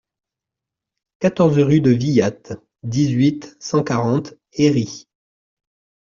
quatorze rue de Villatte, dix-huit, cent quarante, Herry